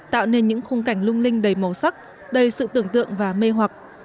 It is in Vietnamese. tạo nên những khung cảnh lung linh đầy màu sắc đầy sự tưởng tượng và mê hoặc